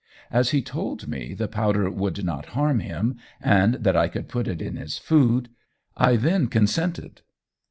As he told me the powder would not harm him, and that I could put it in his food, I then consented.